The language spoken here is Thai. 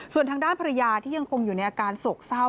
ส่วนทางด้านภรรยาที่ยังคงอยู่ในอาการโศกเศร้า